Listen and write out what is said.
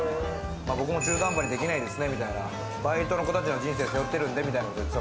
僕も中途半端にできないですねってバイトの子たちの人生を背負ってるんですねみたいな。